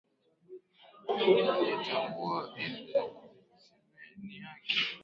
Aliitambua ile simu ni yake